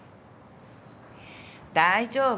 大丈夫。